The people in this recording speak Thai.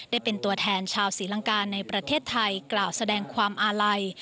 ได้เป็นตัวแทนชาวศรีลังกาในประเทศไทยกล่าวแสดงความอาลัย